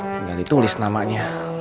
tinggal ditulis namanya